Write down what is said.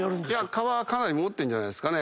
蚊かなり持ってるんじゃないですか。